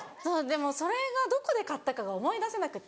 でもそれがどこで買ったかが思い出せなくって。